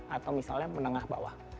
atau misalnya menengah bawah